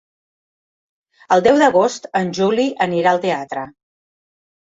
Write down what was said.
El deu d'agost en Juli anirà al teatre.